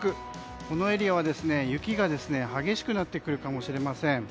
このエリアは雪が激しくなってくるかもしれません。